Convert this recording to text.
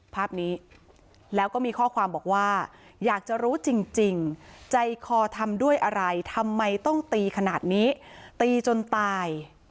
ภาพนี้แล้วก็มีข้อความบอกว่าอยากจะรู้จริงใจคอทำด้วยอะไรทำไมต้องตีขนาดนี้ตีจนตาย